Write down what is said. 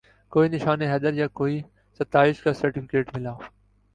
کوئی نشان حیدر یا کوئی ستائش کا سرٹیفکیٹ ملا